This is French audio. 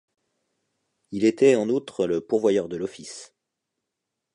Il était, en outre, le pourvoyeur de l’office.